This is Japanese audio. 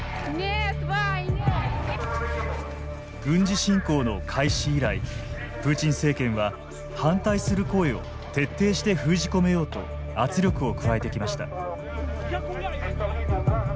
軍事侵攻の開始以来プーチン政権は反対する声を徹底して封じ込めようと圧力を加えてきました。